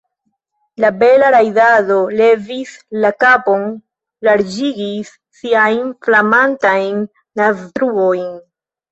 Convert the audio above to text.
La bela rajdato levis la kapon, larĝigis siajn flamantajn naztruojn.